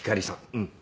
うん。